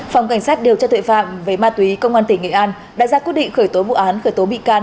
phòng cảnh sát điều tra tuệ phạm về ma túy công an tỉnh nghệ an đã ra quyết định khởi tố vụ án khởi tố bị can